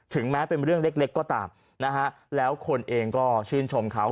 แม้เป็นเรื่องเล็กก็ตามนะฮะแล้วคนเองก็ชื่นชมเขา